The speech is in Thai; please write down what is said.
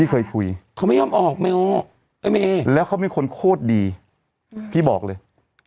เคยคุยเขาไม่ยอมออกไม่ออกแล้วเขาเป็นคนโคตรดีพี่บอกเลย